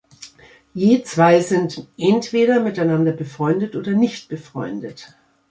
Je zwei sind entweder miteinander befreundet oder nicht befreundet.